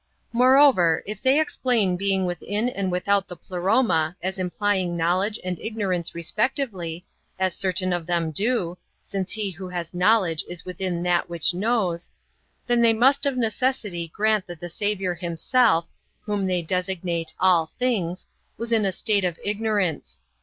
Moreover, if they explain being within and without the Pleroma as implying knowledge and ignorance respectively, as certain of them do (since he who has knowledge is within that which knows), then they must of necessity grant that the Saviour Himself (whom they designate All lliings) w^as in a state of ignorance.